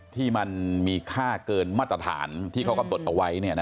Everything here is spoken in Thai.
ที่มันมีค่าเกินมาตรฐานที่เขาก็ตรวจเอาไว้เนี้ยนะ